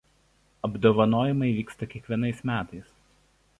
Apdovanojimai vyksta kiekvienais metais.